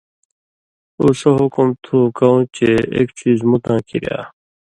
اُو سو حکم تُھو کؤں چے ایک څیزمُتاں کِریا،